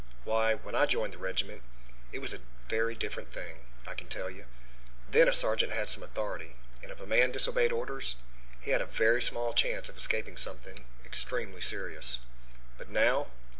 Why, when I joined the regiment it was a very different thing, I can tell you. Then a sergeant had some authority, and if a man disobeyed orders, he had a very small chance of escaping something extremely serious. But now!